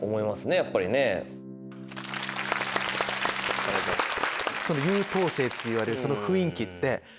ありがとうございます。